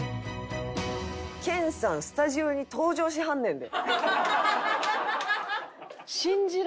研さんスタジオに登場しはんねんで。